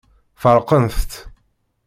Feṛqent-tt.